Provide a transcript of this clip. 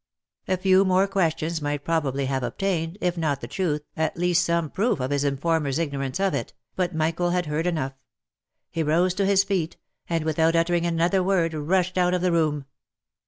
A few more questions might probably have obtained, if not the truth, at least some proof of his informer's ignorance of it, but Michael had heard enough ; he rose to his feet, and without uttering another word, rushed out of the room.